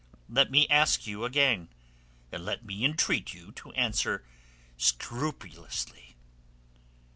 Let me ask you again, and let me entreat you to answer scrupulously.